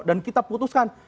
dan kita putuskan